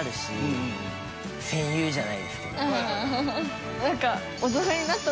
戦友じゃないですけど。